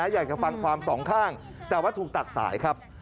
อยากจะฟังความสองข้างแต่ว่าถูกตัดสายครับ